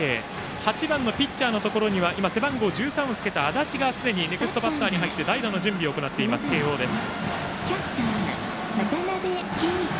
８番のピッチャーのところには背番号１３をつけた安達がすでにネクストバッターに入って代打の準備を行っている慶応です。